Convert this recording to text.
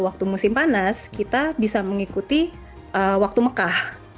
waktu musim panas kita bisa mengikuti waktu mekah